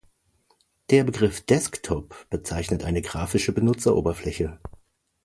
Der Begriff Desktop bezeichnet eine grafische Benutzeroberfläche.